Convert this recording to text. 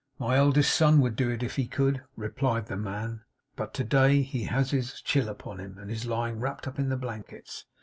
'My eldest son would do it if he could,' replied the man; 'but today he has his chill upon him, and is lying wrapped up in the blankets.